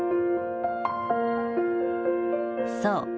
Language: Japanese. ［そう。